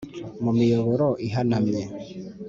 mu miyoboro ihanamye